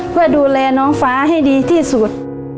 เพื่อดูแลน้องฟ้าให้ดีที่สุด